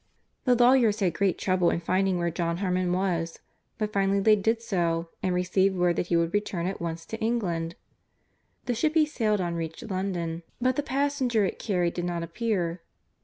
The lawyers had great trouble in finding where John Harmon was, but finally they did so, and received word that he would return at once to England. The ship he sailed on reached London, but the passenger it carried did not appear.